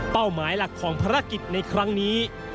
หมายหลักของภารกิจในครั้งนี้